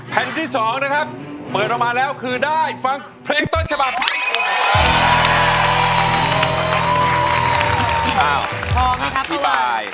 ที่สองนะครับเปิดออกมาแล้วคือได้ฟังเพลงต้นฉบับ